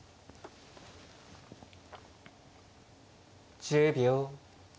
１０秒。